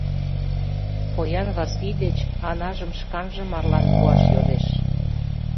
Поян Васлий деч Анажым шканже марлан пуаш йодеш.